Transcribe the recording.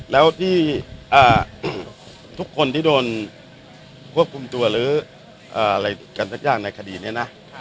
แล้วที่ทุกคนที่โดนควบคุมตัวหรืออะไรกันสักอย่างในคดีนี้นะ